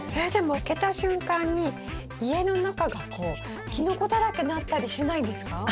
えでも開けた瞬間に家の中がこうキノコだらけになったりしないですか？